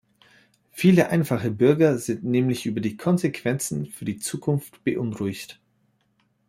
Viele einfache Bürger sind nämlich über die Konsequenzen für die Zukunft beunruhigt.